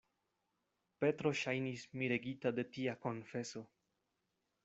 Petro ŝajnis miregita de tia konfeso.